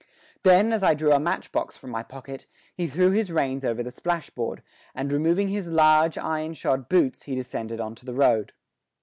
Then, as I drew a matchbox from my pocket, he threw his reins over the splashboard, and removing his large, iron shod boots he descended on to the road.